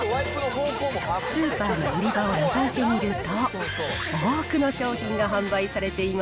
スーパーの売り場をのぞいてみると、多くの商品が販売されていま